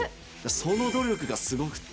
その努力がすごくて。